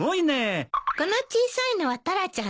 この小さいのはタラちゃんね。